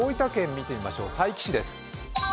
見てみましょう佐伯市です。